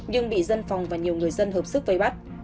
nhưng bị dân phòng và nhiều người dân hợp sức vây bắt